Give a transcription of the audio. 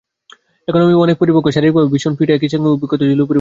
এখন আমি অনেক পরিপক্ব, শারীরিকভাবে ভীষণ ফিট, একই সঙ্গে অভিজ্ঞতার ঝুলিও পরিপূর্ণ।